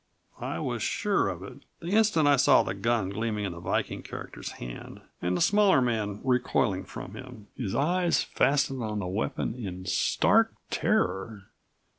I was sure of it the instant I saw the gun gleaming in the Viking character's hand and the smaller man recoiling from him, his eyes fastened on the weapon in stark terror.